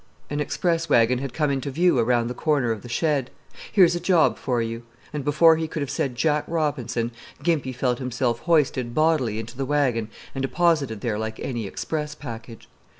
An express wagon had come into view around the corner of the shed. "Here's a job for you." And before he could have said Jack Robinson, Gimpy felt himself hoisted bodily into the wagon and deposited there like any express package.